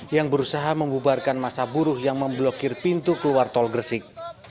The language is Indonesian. yang berusaha membubarkan masa buruh yang memblokir pintu keluar tol gresik